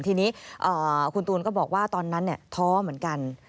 ทีนี้คุณตูนก็บอกว่าตอนนั้นท้อเหมือนกัน